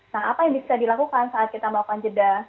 nah apa yang bisa dilakukan saat kita melakukan jeda